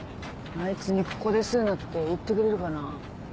あいつにここで吸うなって言ってくれるかな。